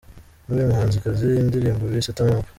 n'uyu muhanzikazi indirimbo bise 'Turn Up'.